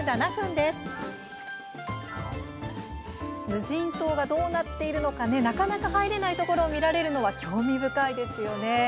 無人島がどうなっているのかなかなか入れないところで見られるのは興味深いですよね。